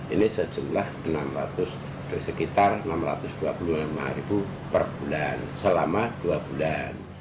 ini sejumlah sekitar enam ratus dua puluh lima ribu per bulan selama dua bulan